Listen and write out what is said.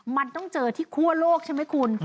มันต้องเจอที่คั่วโลกใช่ไหมคุณ